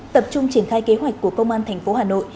tập trung triển khai kế hoạch của công an tp hà nội